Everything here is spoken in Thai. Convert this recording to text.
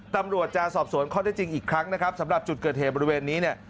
ตำรวจจะสอบสวนข้อได้จริงอีกครั้งนะครับสำหรับจุดเกิดเหตุบริเวณนี้เนี่ย